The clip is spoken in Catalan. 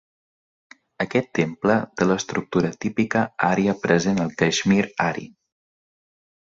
Aquest temple té l'estructura típica ària present al Caixmir ari.